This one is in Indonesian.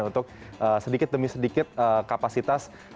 untuk sedikit demi sedikit kapasitas